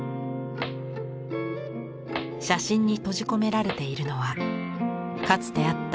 写真に閉じ込められているのはかつてあった